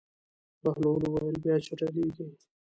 بهلول وویل: بیا چټلېږي.